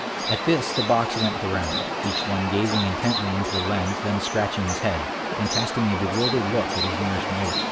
At this the box went the round, each one gazing intently into the lens, then scratching his head, and casting a bewildered look at his nearest neighbor.